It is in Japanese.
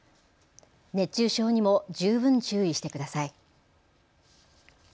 熱中症にも十分注意してください。